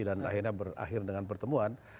dan akhirnya berakhir dengan pertemuan